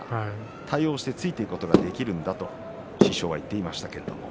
対応してついていくことができるんだと師匠は言っています。